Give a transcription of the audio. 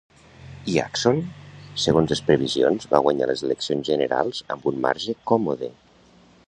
Isakson, segons les previsions, va guanyar les eleccions generals amb un marge còmode.